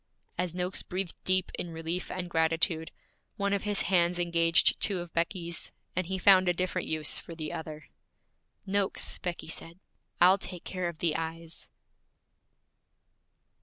As Noakes breathed deep in relief and gratitude, one of his hands engaged two of Becky's, and he found a different use for the other. 'Noakes,' Becky said, 'I'll take care of the eyes.'